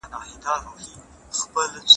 د ځوان نسل پوهه څنګه دا تاریخي اړیکي پیاوړې کوي؟